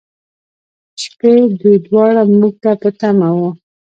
شپې، دوی دواړه موږ ته په تمه و.